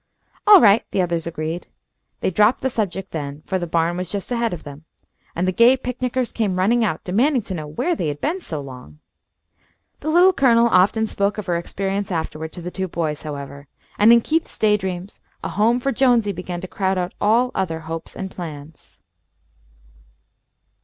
"All right," the others agreed. They dropped the subject then, for the barn was just ahead of them, and the gay picnickers came running out, demanding to know where they had been so long. The Little Colonel often spoke of her experience afterward to the two boys, however, and in Keith's day dreams a home for Jonesy began to crowd out all other hopes and plans.